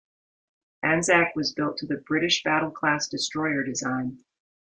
"Anzac" was built to the British Battle class destroyer design.